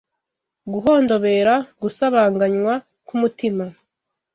guhondobera, gusabaganywa k’umutima,